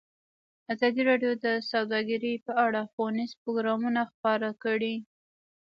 ازادي راډیو د سوداګري په اړه ښوونیز پروګرامونه خپاره کړي.